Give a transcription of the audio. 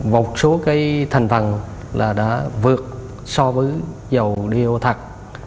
một số cái thành phần là đã vượt so với dầu đi ô thật